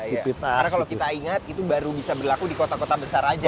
karena kalau kita ingat itu baru bisa berlaku di kota kota besar aja ya